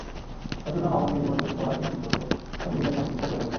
চট্টগ্রাম আবাহনী এরই মধ্যে Slovakian Joseph প্যাভলিকের সঙ্গে চুক্তি করে ফেলেছে।